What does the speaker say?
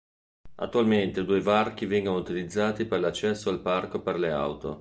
Attualmente i due varchi vengono utilizzati per l'accesso al parco per le auto.